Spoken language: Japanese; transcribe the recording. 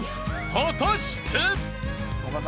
果たして？］